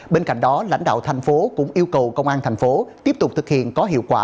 bên cạnh đó lãnh đạo thành phố cũng yêu cầu công an thành phố tiếp tục thực hiện có hiệu quả